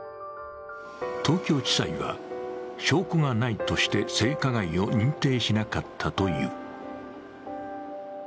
東京地裁は、証拠がないとして性加害を認定しなかったという。